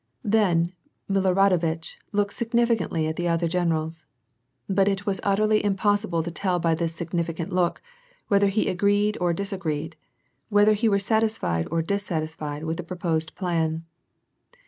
Then, Miloradovitch looked signifi cantly at the other generals. But it was utterly impossible to tell by this significant look whether he agreed or disagreed, whether he were satisfied or dissatisfied with the proposed plan.